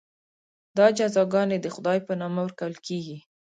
دا جزاګانې د خدای په نامه ورکول کېږي.